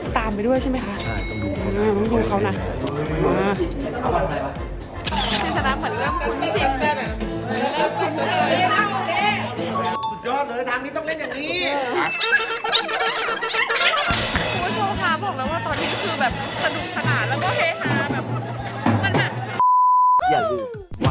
ครูโชคค่ะบอกเจ้าว่านี่สนุกค่ะ